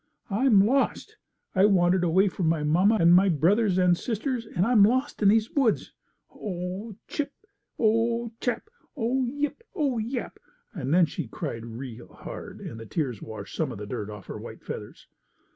I'm lost! I wandered away from my mamma, and my brothers, and sisters, and I'm lost in these woods. Oh chip! Oh chap! Oh yip! Oh yap!" Then she cried real hard and the tears washed some of the dirt off her white feathers.